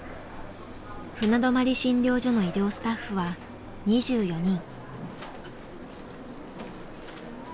船泊診療所の医療スタッフは２４人。